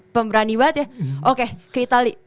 pemberani banget ya oke ke itali